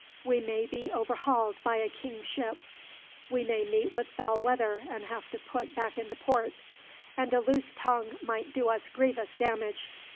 We may be overhauled by a king's ship; we may meet with foul weather, and have to put back into port; and a loose tongue might do us grievous damage.